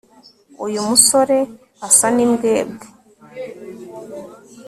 Uyu musore asa nimbwebwe